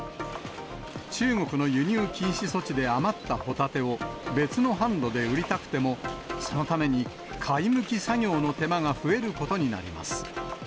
中国の輸入禁止措置で余ったホタテを別の販路で売りたくても、そのために貝むき作業の手間が増えることになります。